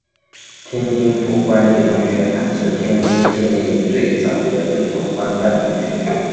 天津府官立中学堂是天津建立最早的一所官办中学。